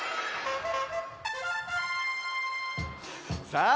さあ